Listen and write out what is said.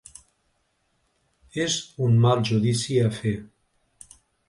És un mal judici a fer.